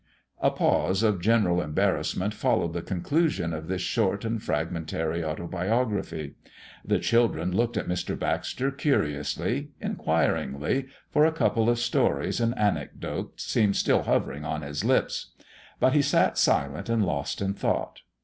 A pause of general embarrassment followed the conclusion of this short and fragmentary autobiography. The children looked at Mr. Baxter curiously, enquiringly, for a couple of stories and anecdotes seemed still hovering on his lips. But he sat silent and lost in thought.